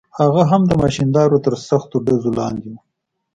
هغه هم د ماشیندارو تر سختو ډزو لاندې و.